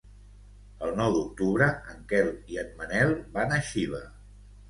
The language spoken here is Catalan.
El nou d'octubre en Quel i en Manel van a Xiva.